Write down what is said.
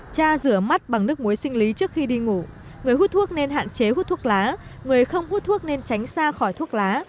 cha rửa mắt bằng nước muối sinh lý trước khi đi ngủ người hút thuốc nên hạn chế hút thuốc lá người không hút thuốc nên tránh xa khỏi thuốc lá